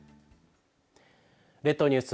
列島ニュース